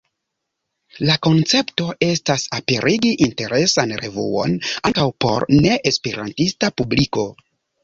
La koncepto estas aperigi interesan revuon ankaŭ por ne-esperantista publiko.